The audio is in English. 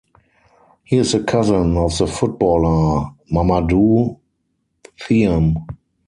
He is the cousin of the footballer Mamadou Thiam.